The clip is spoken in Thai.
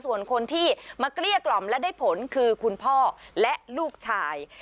ส่วนคนที่มาเกลี้ยกล่อมและได้ผลคือคุณพ่อและลูกชาย